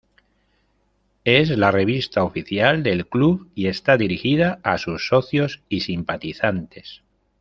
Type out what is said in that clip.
Es la revista oficial del club y está dirigida a sus socios y simpatizantes.